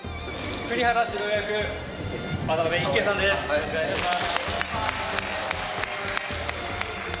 よろしくお願いします。